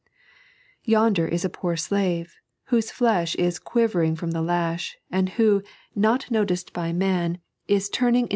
Yonder is a poor slave, whose flesh is quiver ing from the lash, and who, not noticed by man, is turning 3.n.